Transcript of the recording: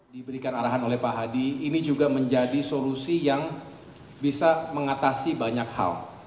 diberikan arahan oleh pak hadi ini juga menjadi solusi yang bisa mengatasi banyak hal